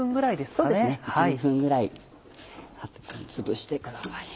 そうですね１２分ぐらいつぶしてください。